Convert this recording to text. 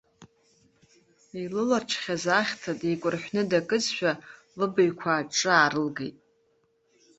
Илылаҽхьаз ахьҭа деикәарҳәны дакызшәа, лыбаҩқәа аҿҿа аарылгеит.